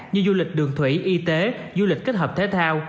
như du lịch đường thủy y tế du lịch kết hợp thể thao